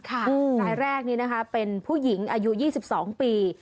รายแรกเป็นผู้หญิงอายุ๒๒ปี